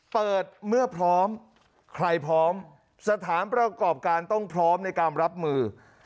เปิดเมื่อพร้อมใครพร้อมสถานประกอบการต้องพร้อมในการรับมือ